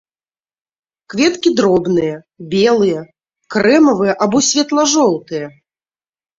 Кветкі дробныя, белыя, крэмавыя або светла-жоўтыя.